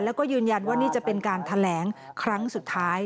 แล้วก็ยืนยันว่านี่จะเป็นการแถลงครั้งสุดท้าย